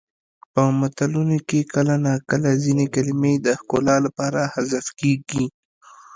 په متلونو کې کله ناکله ځینې کلمې د ښکلا لپاره حذف کیږي